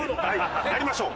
やりましょう！